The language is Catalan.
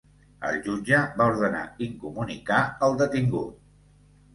El jutge va ordenar incomunicar el detingut.